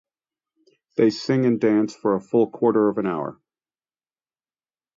They sing and dance for a full quarter of an hour.